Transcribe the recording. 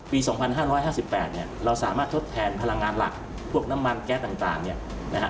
ปี๒๕๕๘เราสามารถทดแทนพลังงานหลักพวกน้ำมันแก๊สต่างนะครับ